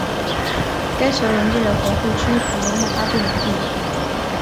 该桥连接了皇后区和曼哈顿两地。